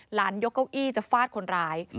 ยกเก้าอี้จะฟาดคนร้าย